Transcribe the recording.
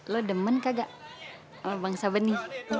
lo demen kagak sama bangsa beni